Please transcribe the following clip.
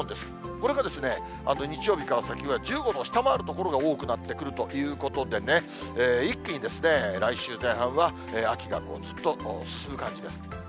これが日曜日から先は１５度を下回る所が多くなってくるということでね、一気に来週前半は秋がずっと進む感じです。